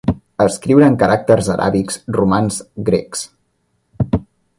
Escriure en caràcters aràbics, romans, grecs.